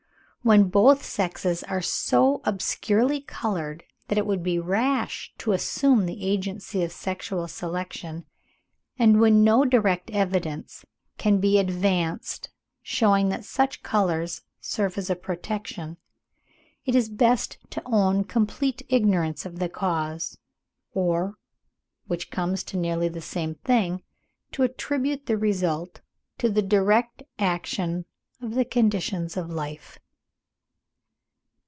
When both sexes are so obscurely coloured that it would be rash to assume the agency of sexual selection, and when no direct evidence can be advanced shewing that such colours serve as a protection, it is best to own complete ignorance of the cause, or, which comes to nearly the same thing, to attribute the result to the direct action of the conditions of life.